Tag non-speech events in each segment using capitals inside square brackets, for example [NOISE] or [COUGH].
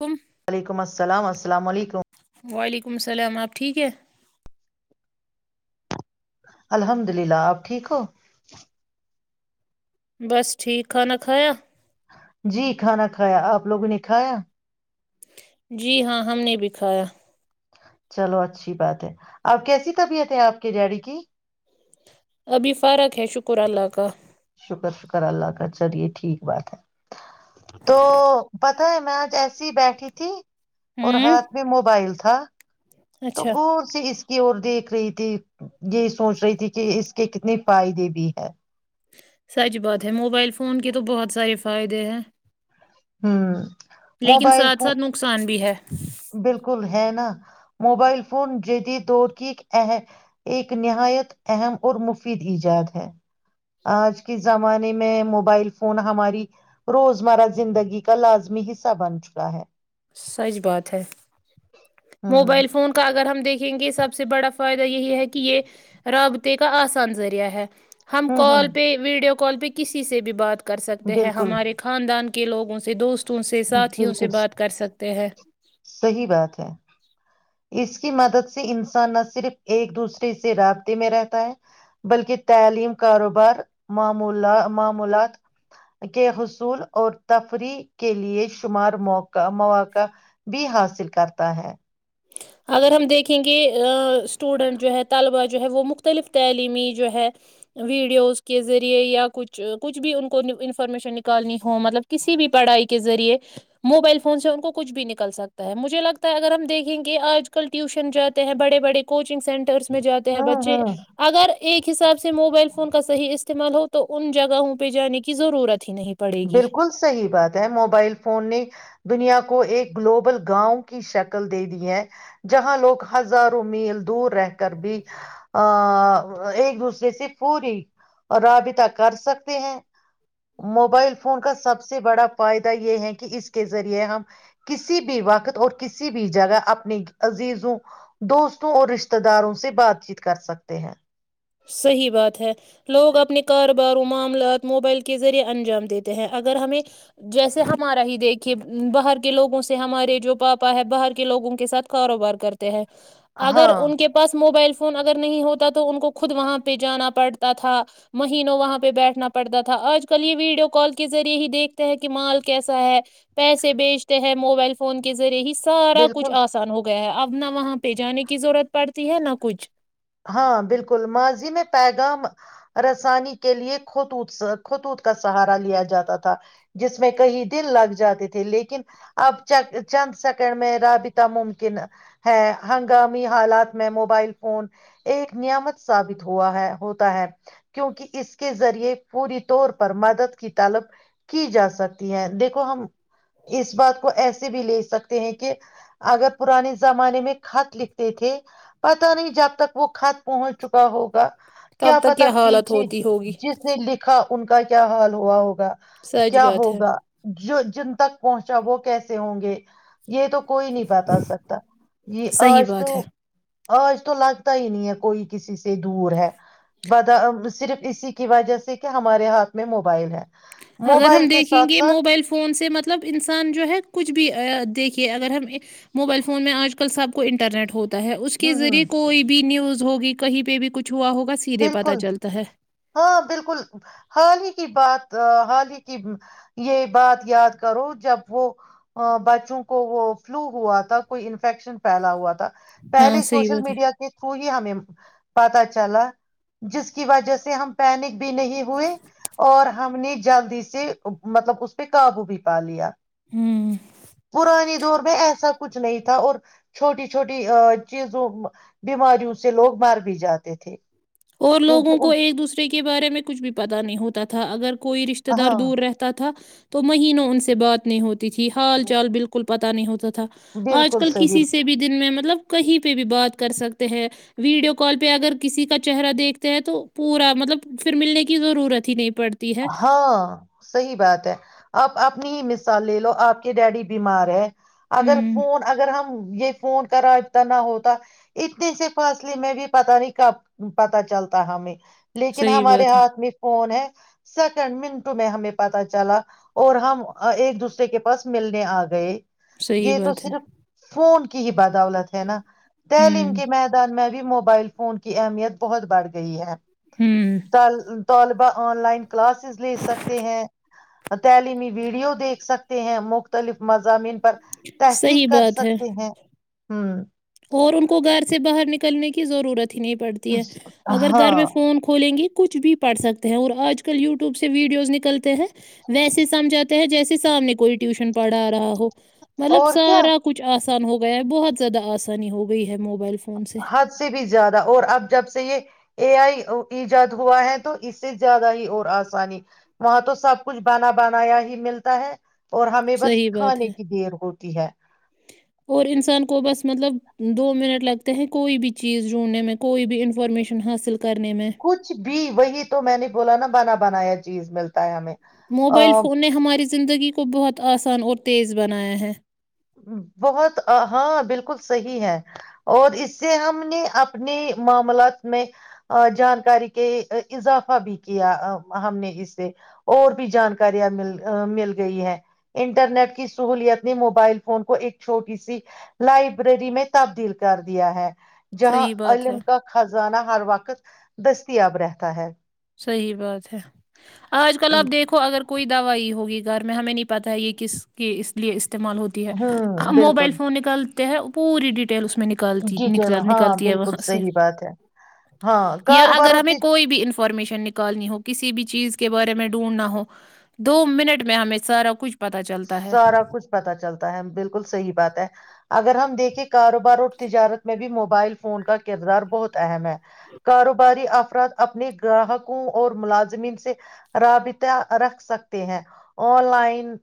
کم وعلیکم السلام السلام علیکم وعلیکم السلام آپ ٹھیک ہیں الحمد للہ آپ ٹھیک ہو بس [INAUDIBLE] ٹھیک کھانا کھایا جی کھانا کھایا آپ لوگوں نے کھایا جی ہاں ہم نے بکھایا [UNINTELLIGIBLE] چلو اچھی بات ہے آپ کیسی طبیعت ہے آپ کے ڈیڈی کی [INAUDIBLE] ابھی فارق ہے شکر اللہ کا [INAUDIBLE] شکر شکر اللہ کا چلے ٹھیک بات ہے [INAUDIBLE] تو پت ہے [INAUDIBLE] میں جیسی ہی بیٹھی تھی [INAUDIBLE] اور ہوں ہاتھ میں موبائل تھا [INAUDIBLE] ہاں [INAUDIBLE] تو اچھا گور چ اس [INAUDIBLE] کی اور دیکھ رہی تھی یہ سوچ رہی تھی کہ اس کے کتنے فائدے بھی ہے [INAUDIBLE] سچ بات ہے موبائل فون کے تو بہت سارے فائدے ہیں ہ [INAUDIBLE] لیکن موبائل ساتھ فون ساتھ نقصان بھی ہے [INAUDIBLE] بالکل ہے نا موبائل فون جید دور کی ایک نہایت اہم اور مفید ایجاد ہے آج کے زمانے میں موبائل فون ہماری روزمرہ زندگی کا لازمی حصہ بن چکا ہے [INAUDIBLE] سچ بات ہے [INAUDIBLE] ہوں موبائل فون کا اگر ہم دیکھ [INAUDIBLE] یں گے سب سے بڑا فائدہ یہی ہے کہ یہ رابطے کا آسان ذریعہ ہے [INAUDIBLE] ہم ہوں کال ہوں پے ویڈیو [INAUDIBLE] کال پہ کسی سے بھی بات [INAUDIBLE] کر سکتے ہیں بالکل ہمارے خاندان کے [INAUDIBLE] کے لوگوں سے دوست [INAUDIBLE] سے ساتھیوں سے بالکل بات کر سکتے ہیں صحیح بات ہے [INAUDIBLE] اس کی مدد سے انسان نہ صرف ایک دوسرے سے رابطے میں رہتا ہے بلکہ تعلیم کاروبار مع معمولات کے حصول اور تفریح [INAUDIBLE] کے لیے شمار موقع مواقع بھی حاصل کرتا ہے [INAUDIBLE] اگر ہم دیکھیں گے اسٹوڈینٹ جو ہے طلبا جو ہے وہ مختلف تعلیمی جو ہے ویڈیوز کے ذریعے یا کچھ کچھ بھی ان کو انفارمیشن نکالنی ہو مطلب کسی بھی پڑھائی کے ذریعے موبائل فون سے ان کو کچھ بھی نکل سکتا ہے مجھے لگتا ہے اگر ہم دیکھ [INAUDIBLE] کہ آج کل ٹیوشن جاتے ہیں بڑے بڑے کوچ چنگ سینٹرس میں جاتے ہیں ہوں بچے ہوں اگر ایک حساب سے موبائل فون کا صحیح استعمال ہو تو ان جگہوں پہ جانے کی ضرورت ہی نہیں پڑے گی بالکل صحیح بات ہے موبائل فون نے دنیا کو ایک گلوبل گاؤں کی شکل دے دی ہے جہاں لوگ ہزاروں میل دور رہ کر بھی آ [INAUDIBLE] ایک دوسرے سے پوری رابطہ کر سکتے ہیں موبائل فون کا سب سے بڑا فائدہ یہ ہے کہ اس کے ذریعے ہم کسی بھی وقت اور کسی بھی جگہ اپنی عزیزوں دوستوں اور رشتتے داروں سے بات چیت کر سکتے ہیں صحی بات ہے لگ اپنے گھر بارو معاملات موبائل کے ذریعے انجام دیتے ہیں اگر ہمیں جیسے ہمارا ہی دیکھیے باہر کے لوگوں سے ہمارے جو پاپا ہے باہر کے لوگوں کے ساتھ کاروبار کرتے ہیں [UNINTELLIGIBLE] اگر ہاں نہیں ہوتا تو ان کو خود وہاں پہ جانا پڑتا تھا مہینوں وہاں پہ بیٹھنا پڑتا تھا آج کل یہ ویڈیو کال کے ذریعے ہی دیکھتے ہیں کہ مال کیسا ہے پیسے بیچتے ہیں موبائل فون کے ذریعے ہی سارا کچھ بالکل آسان ہو گیا ہے آپ نہ وہاں پہ جانے کی ضرورت پڑتی ہے نہ کچھ ہاں بالکل ماضی میں پیغام رسانی کے لیے خطوط خطوط کا سہارا لیا جاتا تھا جس میں کئی دن لگ جاتے تھے لیکن اب چند سیکنڈ میں رابطہ ممکن ہے ہنگامی حالات میں موبائل فون ایک نیامت ثابت ہوا ہے ہوتا ہے کیونکہ اس کے ذریعے پوری طور پر مدد کی تالب کی جا سکتی ہے دیکھو ہم اس بات کو ایسا سے بھی لے سکتے ہیں کہ اگر پرانے زمانے میں خط لکھ تھے پتا نہیں جب تک وہ خط پہنچ چکا ہوگا تب کیا تک پتا حالت پیچھے ہوتی ہوگی جس نے لکھا ان کا کیا حال ہوا ہوگا ا سچ کیا بات ہے ہوگا جو جن تک پہنچ چب وہ کیسے ہوں گے یہ تو کوئی نہیں بتا سکتا یہ صحیح آج تو بات ہے اور اس تو لگ ہی نہیں ہے کوئی کسی سے دور ہے ب صرف اسی کی وجہ سے کہ ہمارے ہاتھ میں موبائل ہے اگر موبائل ہم کے دیکھیں ساتھ گے ساتھ موبائل فون سے مطلب انسان جو ہے کچھ بھی دیکھیے اگر ہم موبائل فون میں آج کل سب انٹرنیٹ ہوتا ہے اس ہ کے ہ ذریعے کوئی بھی نیوز ہوگی کہیں پہ بھی کچھ ہوا ہوگا سیدھے پتہ بالکل چلتا ہے ہاں بالکل حال ہی کی بات حال ہی کی یہ بات یاد کرو جب وہ بچوں کو وہ فلو ہوا تھا کوئی انفیکشن پھیلا ہوا تھا ہاں پہلے صحیح سوشل بات ہے میڈیا کے تھرو ہی ہمیں پتا چ ال جس کی وجہ سے ہم پینک بھی نہیں ہوئی اور ہم ن ج جلدی سے مطلب اس پہ قابو بھی پا لیا ہوں پرانی دور میں ایسا کچھ نہیں تھا اور چھوٹی چھوٹی چیزوں بیماریوں سے لوگ مر بھی جاتے تھے اور لوگوں کیونکہ کو ان ایک دوسرے کے بارے میں کچھ بھی پتا نہیں ہوتا [UNINTELLIGIBLE] کوئی رشتے دار ہاں دور رہتا تھا تو مہینوں ان سے بات نہیں ہوتی تھی حال چال بالکل پتا نہیں ہوتا تھا آج بالکل کل کسی صحیح سے بھی دن میں مطلب کہیں پہ بھی بات کر سکتے ہیں ویڈیو کال پہ اگر کسی کا چہرہ دیکھتے ہیں تو پورا مطلب پھر ملنے کی ضرورت ہی نہیں پڑتی ہے ہاں صحی بات ہے آپ آپ نے ہی مس صا لے لو آ کے ڈیڈی بیمار ہے اگر ہوں فون اگر ہم یہ فون کرابتہ نہ ہوتا اتنے سے فاصلے میں بھی پتا نہیں کب پتا چلتا ہمیں لیکن صحیح ہمارے بات ہے ہاتھ میں فون ہے سیکنڈ منٹوں میں ہمیں پتہ چلا اور ہم ایک دوسرے کے پاس ملنے آ گئے صحیح یہ تو بات ہے صرف فون کی ہی بدولت ہے نا تعلیم ہوں کے میدان میں بھی موبائل فون کی اہمیت بہت بڑھ گئی ہے ہوں ال طالبہ آن لائن لے سکتے ہیں تعلیمی ویڈیو دیکھ سکتے ہیں مختلف م زمین پر تحقیق صحیح کر بات ہے سکتے ہیں ہوں اور ان کو گھر سے باہر نکلنے کی ضرورت ہے نہیں پڑتی ہے اگر گھر ہاں میں فون کھولیں گی تو کچھ بھی پڑھ سکتے ہیں اور آج کل یوٹیوب سے ویڈیوز نکلتے ہیں ویسے سمجھاتے ہیں جیسے سامنے کوئی ٹیوشن پڑھا رہا ہو مطلب اور کیا سارا کچھ آس ہو گیا ہے بہت زیادہ آسان آانی ہو گئی ہے حد سے بھی زیادہ اور اب جب سے یہ اے آئی ایجاد ہوا ہے تو اس سے زیادہ ہی اور آسانی وہاں تو سب کچھ بناا بنایا ہی ملتا ہے اور ہمیں بس صحیح بات کھانے ہے کی دیر ہوتی ہے [UNINTELLIGIBLE] اور انسان کو بس مطلب دو منٹ لگتے ہیں کوئی بھی چیز جوڑنے میں کوئی بھی انفارمیشن حاصل کرنے میں کچھ بھی وہی تو میں نے نہیں بولا نا بنا بنا یہ چیز ملتا ہے ہمیں موبائل فون نے ہماری زندگی کو بہت آسان اور تیز بنایا ہے بہت ہاں بالکل صحیح ہے اور اس سے ہم نے اپنے معاملات میں جانکاری کے اضافہ بھی کیا ہم نے اس سے اور بھی جانکاریاں مل مل گئی ہے انٹرنیٹ کی سہولت نے موبائل فون کو ایک چھوٹی سی لائبریری میں تبدیل کر دیا ہے جہاں صحیح بات ہے علم کا خزانہ ہر وقت دستیاب رہتا ہے صحی بات ہے آج کل آپ دیکھو اگر کوئی دوائی ہوگی گار میں ہمیں نہیں پتا ہے یہ کس کے اس لیے استعمال ہوتی ہے ہوں بالکل موبائل فون نکل ہے پوری ٹی اس میں نکالتی نک ڈیٹیل ہاں نکالتی ہے بالکل وہاں سے صحیح بات ہے ہاں یا کاروبار اگر اور ہمیں کوئی بھی ان شن نکالنی ہو کسی بھی چیز کے بارے میں ڈھونڈنا ہو دو منٹ میں ہمیں سارا کچھ پتا چلتا ہے سارا کچھ پتا چلتا ہے بالکل صحیح بات ہے اگر ہم دیکھے کاروبار اور تجارت میں بھی موبائل فون کا کردار بہت اہم ہے کاروباری افراد اپنے گراہکوں اور ملازمین سے رابطہ رکھ سکتے ہیں آن لائن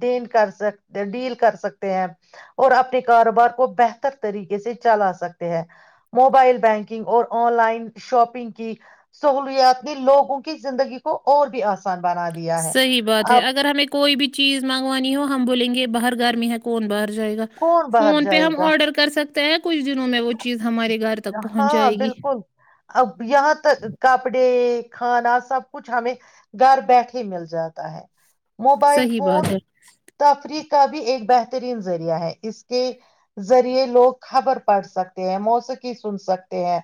دین کر سک ڈیل کر سکتے ہیں اور اپنے کاروبار کو بہتر طریقے سے چلا سکتے ہیں موبائل بینکنگ اور آن لائن شاپنگ کی سہولیات نے لوگوں کی زندگی کو اور بھی آ س بنا دیا ہے صحیح بات ہے اب اگر ہمیں کوئی بھی چیز منگوانی ہو ہم بولیں گے باہر گرمی ہے کون باہر جائے گا کون باہر فون پہ جائے ہم گا آرڈر کر سکتے ت [UNINTELLIGIBLE] ہاں جائے گی بالکل اب یہاں تک کپڑے کھانا سب کچھ ہمیں گھر بیٹھے مل جاتا ہے موبائل صحیح فون بات ہے تفریق کا بھی ایک بہترین ذریعہ ہے اس کے ذریعے لوگ خبر پڑھ سکتے ہیں موسیقی سن سکتے ہیں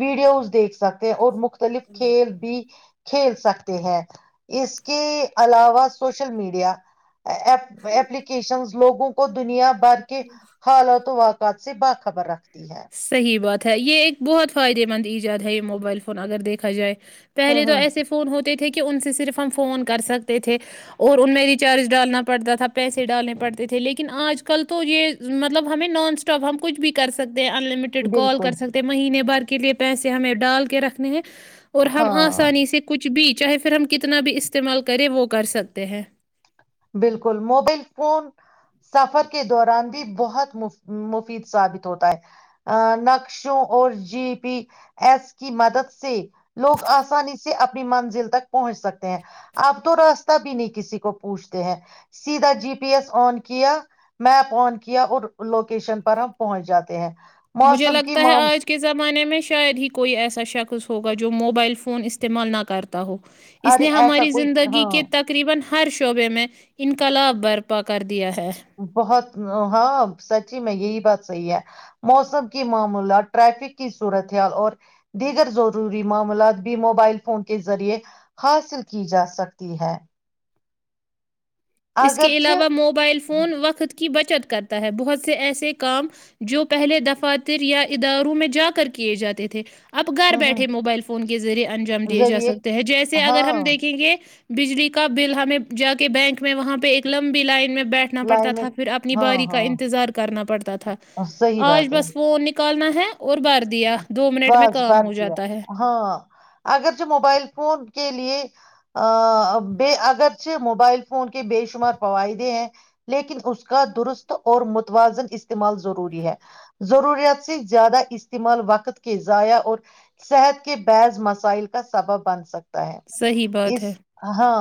ویڈیوز دیکھ سکتے ہیں اور مختلف کھیل بھی کھیل سکتے ہیں اس کے علاوہ سوشل میڈیا پ ایپلیکیشنز لوگوں کو دنیا بر کے خالا تو وا پچ سے باک خبر رکھ صحیح بات تھا یہ ایک بہت فائدے مند ایجاد ہے یہ موبائل فون اگر دیکھا جائے ہوں پہلے تو ہوں ایسے فون ہوتے تھے کہ ان سے صرف ہم فون کر سکتے تھے اور ان میں ریچارج ڈالنا پڑتا تھا پیسے ڈالنے پڑتے تھے لیکن آج کل تو یہ مطلب ہمیں نان اسٹاپ ہم کچھ بھی کر سکتے ان لمٹڈ کال بالکل کر سکتے مہینے بھر کے لیے پیسے ہمیں ڈال کے رکھنے ہیں اور ہم ہاں آسانی سے کچھ بیچ چاہے پھر ہم کتنا بھی استعمال کریں وہ کر سکتے ہیں بالکل موبائل فون سفر کے دوران بھی بہت مفید ثابت ہوتا ہے نقشوں اور جی پی ایس کی مدد سے لوگ آسانی سے اپنی منزل تک پہنچ سکتے ہیں اب تو راستہ بھی نہیں کسی کو پوچھتے ہیں سیدھا جی پی ایس آن کیا میپ آن کیا اور لوکیشن پر ہم پہنچ جاتے ہیں مجھے موسم کی لگتا ہے مام آج کے زمانے میں شاید ہی کوئی ایسا شخص ہوگا جو موبائل فون استعمال نہ کرتا اس ارے لیے ایسا ہماری کوئی زندگی ہاں کے تقریبا ہر شعبے میں انقلاب برپا کر د بہت ہاں سچی میں یہی بات صحیح ہے موسم کی معامولات ٹریفک کی صورت حال اور دیگر ضروری معاملات بھی موبائل فون کے ذریعے حاصل کی جا سکتی ہے اس کے اگرچہ علاوہ موبائل فون وقت کے کی بچت کرتا ہے بہت سے ایسے کام جو پہلے دفاتر یا اداروں میں جا کر کیے جاتے تھے اب گھر ہوں ہوں بیٹھے موبائل فون کے ذریعے انجام دیے جا ذریعے سکتے ہیں جیسے اگر ہم ہاں دیکھیں گے بجلی کا بل ہمیں جا کے بینک میں وہاںہ ایک لمبی لائن میں بیٹھنا پڑتا لائن میں تھا پھر اپنی ہاں باری کا ہاں انتظار کرنا پڑتا تھا صحیح آج بات ہے بس فون نکل کرنا ہے اور بھر دیا دو منٹ میں بس کام بر ہو دیا جاتا ہے ہاں اگر چ موبائل فون کے لی بے اگرچہ موبائل فون کے بے شمار فوائدے ہیں لیکن اس کا درست اور متوازن استعمال ضروری ہے ضروریات سے زیادہ استعمال وقت کے ضائع اور صحت کے بحض مسائل کا سبب بن سکتا ہے صحیح بات اس ہے ہاں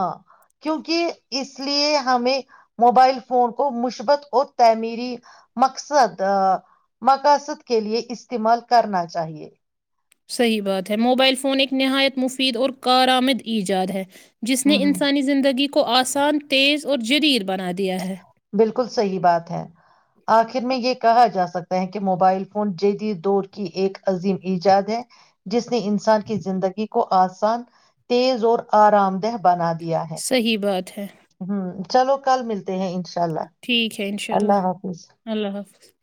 کیونکہ اس لیے ہمیں موبائل فون کو مثبت اور تعمیری مقصد مقاصد کے لیے استعمال کرنا چاہیے [UNINTELLIGIBLE] صحیح بات ہے موبائل فون ایک نہایت مفید اور کارآمد ایجاد ہے جس نے ہوں ہوں انسانی زندگی کو کو آسان تیز اور جرییر بنا دیا ہے بالکل صحی بات ہے آخر میں یہ کہا جا سکتا ہے کہ موبائل فون جید دور کی ایک عظیم ایجاد ہے جس نے انسان کی زندگی کو آسان تیز اور آرام دہ بنا دیا ہے صحیح بات ہے [UNINTELLIGIBLE] ہاں [UNINTELLIGIBLE] چلو کل ملتے ہیں ان ٹھیک ہے انشاء اللہ اللہ حافظ